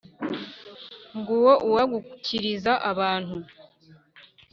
Nguwo uwagukiriza abantu,